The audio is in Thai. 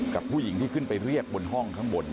กับผู้หญิงที่ขึ้นไปเรียกบนห้องข้างบน